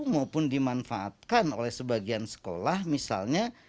maupun dimanfaatkan oleh sebagian sekolah misalnya